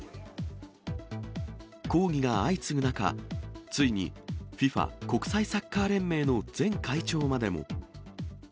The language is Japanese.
抗議が相次ぐ中、ついにＦＩＦＡ・国際サッカー連盟の前会長までも。